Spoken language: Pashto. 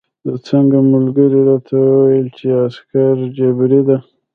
د څنګ ملګري راته وویل چې عسکري جبری ده.